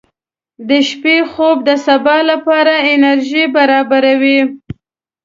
• د شپې خوب د سبا لپاره انرژي برابروي.